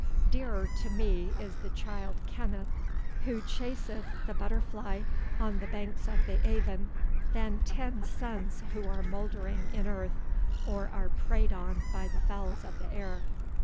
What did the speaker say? Dearer to me is the child Kenneth, who chaseth the butterfly on the banks of the Aven, than ten sons who are mouldering in earth, or are preyed on by the fowls of the air."